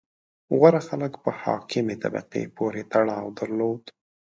• غوره خلک په حاکمې طبقې پورې تړاو درلود.